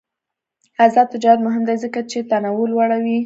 آزاد تجارت مهم دی ځکه چې تنوع لوړوی.